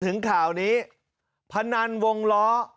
ถึงข่าวนี้พนันวงล้อ